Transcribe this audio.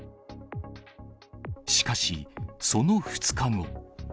しかし、その２日後。